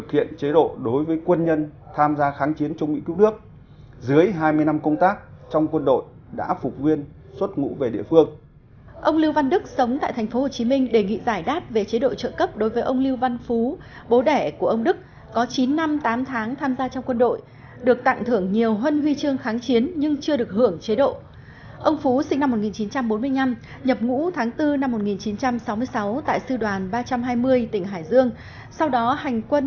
các quân đội đã phục viên xuất ngũ về địa phương hiện không thuộc diện hưởng chế độ hưu trí chế độ mất sức lao động hoặc chế độ bệnh binh hàng tháng một mươi hai nghìn tám của thủ tướng chính phủ